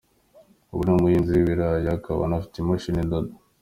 Ubu ni umuhinzi w'ibirayi akaba anafite imashini idoda.